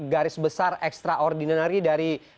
garis besar ekstraordinari dari